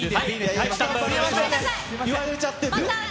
言われちゃってるのよ。